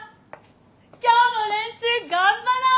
今日も練習頑張ろう！